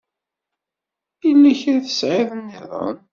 Yella kra tesɛiḍ nniḍen?